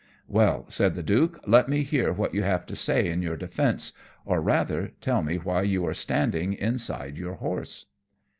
"Well," said the Duke, "let me hear what you have to say in your defence, or rather, tell me why you are standing inside your horse?"